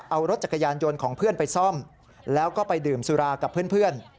เอารถจักรยานยนต์ของเพื่อนไปซ่อมแล้วก็ไปดื่มสุรากับเพื่อน